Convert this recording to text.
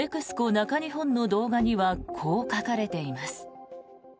中日本の動画にはこう書かれています。